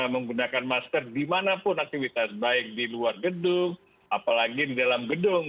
menggunakan masker dimanapun aktivitas baik di luar gedung apalagi di dalam gedung